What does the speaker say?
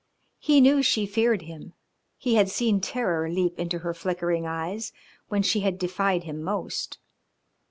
He knew she feared him, he had seen terror leap into her flickering eyes when she had defied him most.